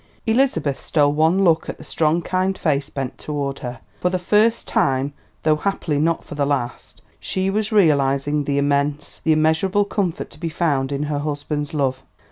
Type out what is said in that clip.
Elizabeth stole one look at the strong, kind face bent toward her. For the first time, though happily not for the last, she was realising the immense, the immeasurable comfort to be found in her husband's love.